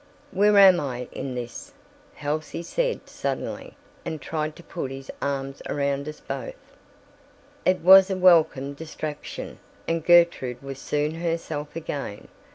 "Where am I in this?" Halsey said suddenly and tried to put his arms around us both. It was a welcome distraction, and Gertrude was soon herself again.